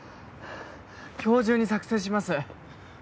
今日中に作成します。